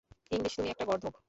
English, তুমি একটা গর্দভ।